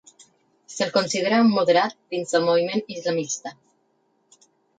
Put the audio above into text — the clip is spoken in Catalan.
Se'l considera un moderat dins del moviment islamista.